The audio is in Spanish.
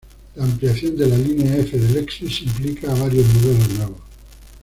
La ampliación de la línea F de Lexus implica a varios modelos nuevos.